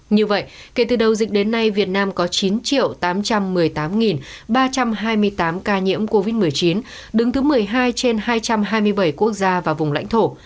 như vậy kể từ đầu dịch đến nay việt nam có chín tám trăm một mươi tám ba trăm hai mươi tám ca nhiễm covid một mươi chín đứng thứ một mươi hai trên hai trăm hai mươi bảy quốc gia và vùng lãnh thổ